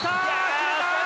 決めた！